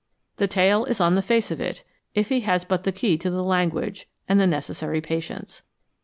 The tale is on the face of it, if he has but the key to the language, and the necessary patience.